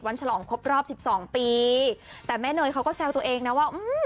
ฉลองครบรอบสิบสองปีแต่แม่เนยเขาก็แซวตัวเองนะว่าอืม